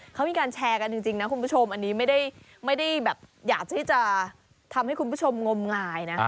เขามีการแชร์กันจริงนะคุณผู้ชมอันนี้ไม่ได้แบบอยากที่จะทำให้คุณผู้ชมงมงายนะ